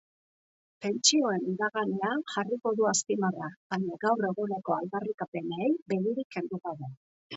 Pentsioen iraganean jarriko du azpimarra, baina gaur eguneko aldarrikapenei begirik kendu gabe.